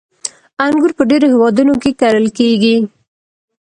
• انګور په ډېرو هېوادونو کې کرل کېږي.